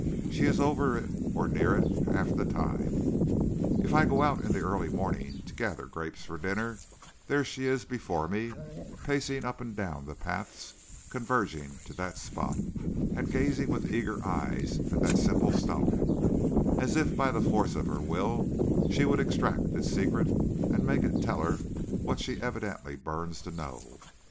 She is over it or near it half the time. If I go out in the early morning to gather grapes for dinner, there she is before me, pacing up and down the paths converging to that spot, and gazing with eager eyes at that simple stone, as if by the force of her will she would extract its secret and make it tell her what she evidently burns to know.